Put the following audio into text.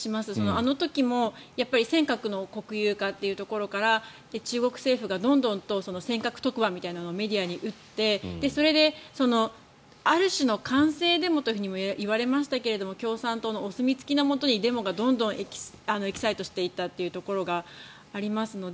あの時も尖閣の国有化というところから中国政府がどんどん尖閣特番みたいなのをメディアに打ってそれで、ある種の官製デモともいわれましたけども共産党のお墨付きのもとにデモがどんどんエキサイトしていったところがありますので。